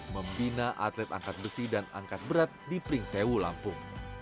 membina atlet angkat besi dan angkat berat di pringsewu lampung